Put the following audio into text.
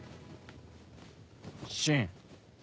信。